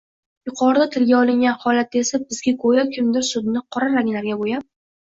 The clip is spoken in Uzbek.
Yuqorida tilga olingan holatda esa bizga go‘yo kimdir sudni qora ranglarga bo‘yab